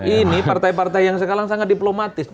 ini partai partai yang sekarang sangat diplomatis